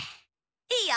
いいよ。